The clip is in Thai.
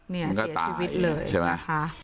เนี่ยเสียชีวิตเลยใช่ไหมคะ